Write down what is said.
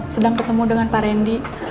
sedang ketemu dengan pak randy